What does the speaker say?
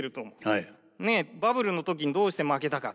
バブルの時にどうして負けたか。